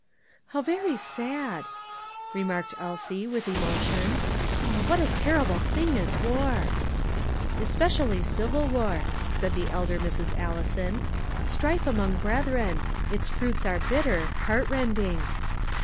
"How very sad," remarked Elsie, with emotion. "Oh, what a terrible thing is war!" "Especially civil war," said the elder Mrs. Allison; "strife among brethren; its fruits are bitter, heart rending."